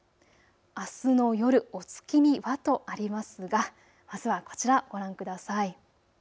あすの夜、お月見は、とありますがあすはこちらご覧ください。